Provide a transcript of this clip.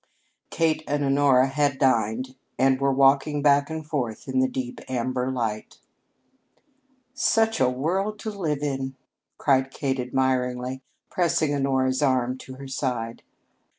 Kate and Honora had dined and were walking back and forth in the deep amber light. "Such a world to live in," cried Kate admiringly, pressing Honora's arm to her side.